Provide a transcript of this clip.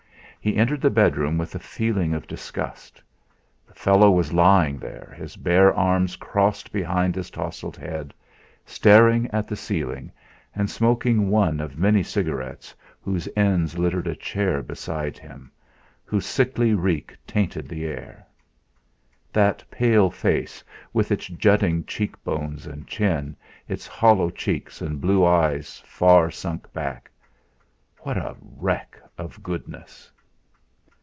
He entered the bedroom with a feeling of disgust. The fellow was lying there, his bare arms crossed behind his tousled head, staring at the ceiling, and smoking one of many cigarettes whose ends littered a chair beside him, whose sickly reek tainted the air. That pale face, with its jutting cheek bones and chin, its hollow cheeks and blue eyes far sunk back what a wreck of goodness!